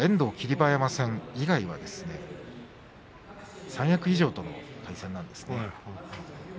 馬山戦以外は三役以上との対戦なんですね。